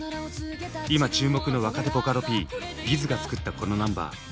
今注目の若手ボカロＰｂｉｚが作ったこのナンバー。